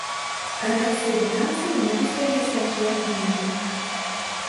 Канадцы і брытанцы не могуць прыняць такія аргументы.